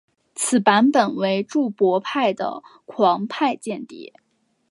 此版本为注博派的狂派间谍。